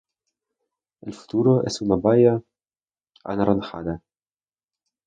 El fruto es una baya anaranjada.